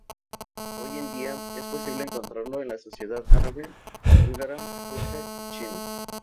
Hoy día, es posible encontrarlo en la sociedad árabe, búlgara, turca y china.